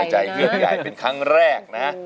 หายใจเหลือกใหญ่เป็นครั้งแรกนะ